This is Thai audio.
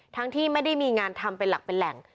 ที่ไม่ได้มีงานทำเป็นหลักเป็นแหล่ง